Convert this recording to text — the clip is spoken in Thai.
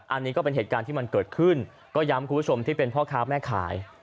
อันนี้ก็เป็นเหตุการณ์ที่มันเกิดขึ้นก็ย้ำคุณผู้ชมที่เป็นพ่อค้าแม่ขาย